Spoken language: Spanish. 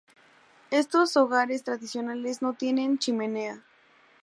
Estos hogares tradicionales no tienen chimenea.